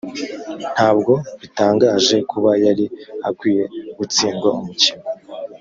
ntabwo bitangaje kuba yari akwiye gutsindwa umukino.